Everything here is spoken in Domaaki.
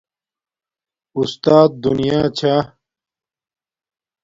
اُستات دُنیا چھا